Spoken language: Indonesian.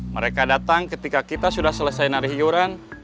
mereka datang ketika kita sudah selesai narik iuran